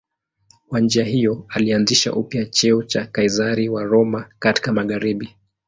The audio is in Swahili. Kwa njia hiyo alianzisha upya cheo cha Kaizari wa Roma katika magharibi.